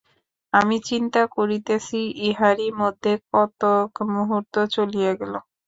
আমি চিন্তা করিতেছি, ইহারই মধ্যে কতক মুহূর্ত চলিয়া গেল।